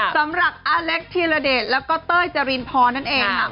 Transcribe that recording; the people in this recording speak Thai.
สำหรับอเล็กที่ระเด็นแล้วก็เต้ยจารินพอนั่นเอง